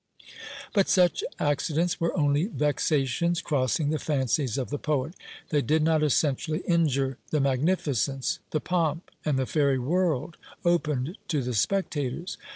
But such accidents were only vexations crossing the fancies of the poet: they did not essentially injure the magnificence, the pomp, and the fairy world opened to the spectators.